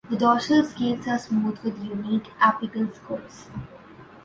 The dorsal scales are smooth with unique apical scores.